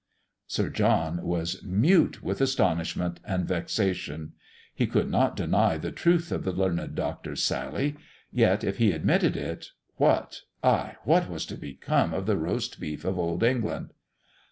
Sir John was mute with astonishment and vexation. He could not deny the truth of the learned Doctor's sally; yet if he admitted it, what ay, what was to become of the roast beef of Old England?